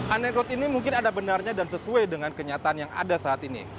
anegrod ini mungkin ada benarnya dan sesuai dengan kenyataan yang ada saat ini